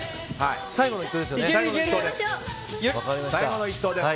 最後の１投です。